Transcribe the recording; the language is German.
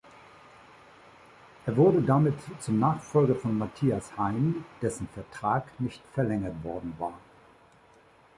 Er wurde damit zum Nachfolger von Mathias Hain, dessen Vertrag nicht verlängert worden war.